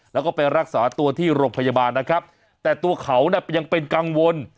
แล้วก็ไปรักษาตัวที่โรงพยาบาลนะครับแต่ตัวเขาน่ะยังเป็นกังวล